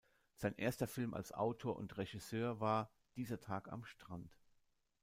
Sein erster Film als Autor und Regisseur war "Dieser Tag am Strand".